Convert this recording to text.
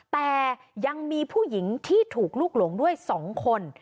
แต่ยังมีผู้หญิงที่ถูกลูกหลงด้วย๒คน